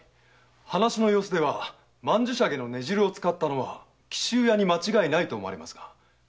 話の様子では曼珠沙華の根汁を使ったのは紀州屋に間違いないと思われますが。